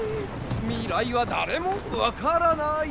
未来は誰も分からない。